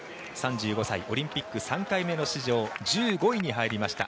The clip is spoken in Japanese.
オリンピック３回目の１５位に入りました。